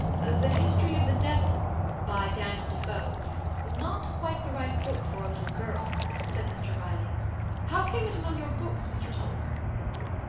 "'The History of the Devil,' by Daniel Defoe,—not quite the right book for a little girl," said Mr Riley. "How came it among your books, Mr Tulliver?"